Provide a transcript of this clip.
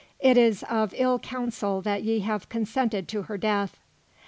It is of ill counsel that ye have consented to her death."